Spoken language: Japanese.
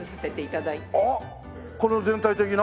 あっこの全体的な？